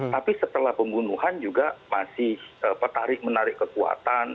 tapi setelah pembunuhan juga masih petarik menarik kekuatan